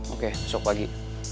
oke besok pagi